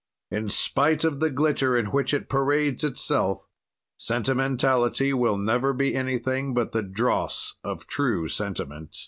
"In spite of the glitter in which it parades itself, sentimentality will never be anything but the dross of true sentiment."